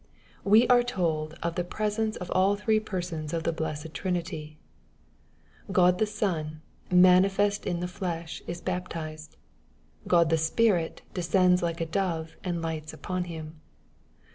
We are told of the presence of all three persons of the blessed Trinity, God the Son, manifest in the fleshy is baptized. God the Spirit descends like a dove, and lights upon Him.